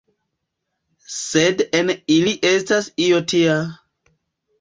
Sed en ili estas io tia!